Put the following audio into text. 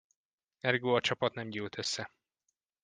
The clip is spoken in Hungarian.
Ergo a csapat nem gyűlt össze.